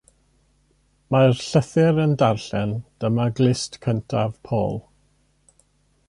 Mae'r llythyr yn darllen, Dyma glust cyntaf Paul.